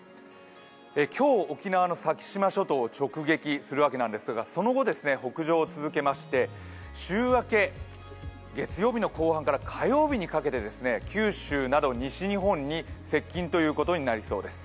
今日、沖縄の先島諸島を直撃するわけなんですがその後、北上を続けまして週明け月曜日の後半から火曜日にかけて九州など西日本に接近ということになりそうです。